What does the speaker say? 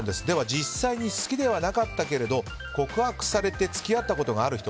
実際に好きではなかったけれど告白されて付き合ったことがある人